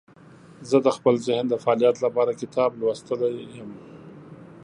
زه د خپل ذهن د فعالیت لپاره کتاب لوستلی یم.